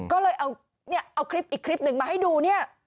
ก็เลยเอาคลิปอีกคลิปหนึ่งมาให้ดูเนี่ย